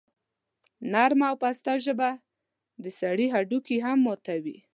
نرمه او پسته ژبه د سړي هډوکي هم ماتوي.